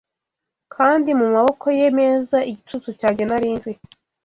Kandi mumaboko ye meza Igicucu cyanjye nari nzi